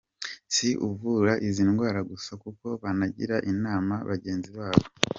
Si ukuvura izi ndwara gusa kuko banagira inama bagenzi babo.